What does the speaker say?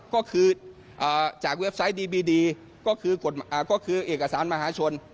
ก็คือจากเว็บไซต์ดีบีดีก็คือเอกสารมหาชน